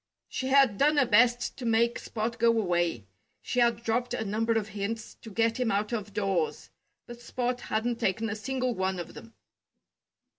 She had done her best to make Spot go away. She had dropped a number of hints to get him out of doors. But Spot hadn't taken a single one of them.